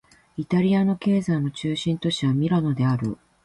イタリアの経済の中心都市はミラノである